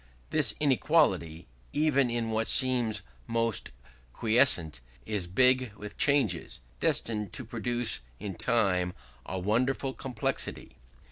This inequality, even in what seems most quiescent, is big with changes, destined to produce in time a wonderful complexity.